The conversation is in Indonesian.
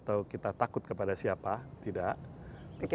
atau kita takut kepada siapa tidak